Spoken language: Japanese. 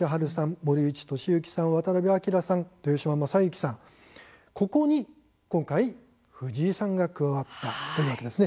森内俊之さん、渡辺明さんそして豊島将之さん、ここに今回藤井さんが加わったというわけですね。